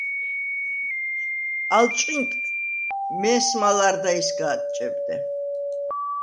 ალ ჭყინტ მეს̄მა ლარდაისგა ადჭებდე.